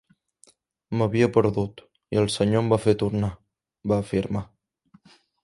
"M'havia perdut i el Senyor em va fer tornar", va afirmar.